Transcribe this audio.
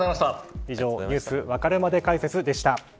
以上Ｎｅｗｓわかるまで解説でした。